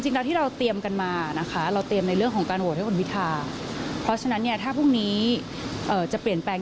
อันนี้ก็เป็นที่ชัดเจนค่ะ